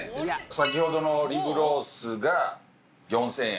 先ほどのリブロースが４０００円